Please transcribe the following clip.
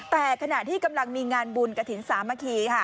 แต่ขณะที่กำลังมีงานบุญกระถิ่นสามัคคีค่ะ